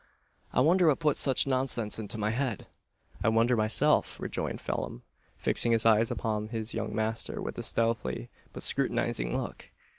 "I wonder what puts such nonsense into my head?" "I wondher meself," rejoined Phelim, fixing his eyes upon his young master with a stealthy but scrutinising look.